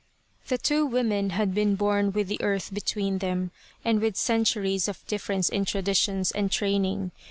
The two woman had been born with the earth between them, and with centuries of difference in traditions and training.